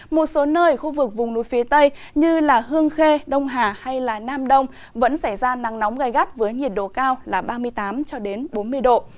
một số nơi ở khu vực vùng núi phía tây như hương khê đông hà hay nam đông vẫn xảy ra nắng nóng gai gắt với nhiệt độ cao là ba mươi tám bốn mươi độ